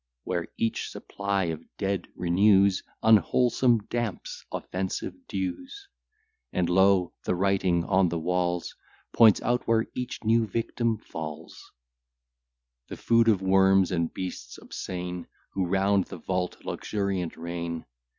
Where each supply of dead renews Unwholesome damps, offensive dews: And lo! the writing on the walls Points out where each new victim falls; The food of worms and beasts obscene, Who round the vault luxuriant reign.